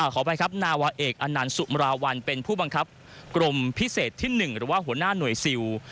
ขออภัยครับนาวาเอกอนันต์สุมราวัลเป็นผู้บังคับกรมพิเศษที่๑หรือว่าหัวหน้าหน่วยซิล